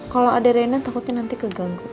kalau ada renda takutnya nanti keganggu